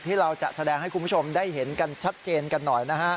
ที่เราจะแสดงให้คุณผู้ชมได้เห็นกันชัดเจนกันหน่อยนะฮะ